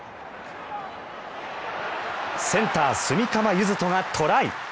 センター、炭竈柚斗がトライ。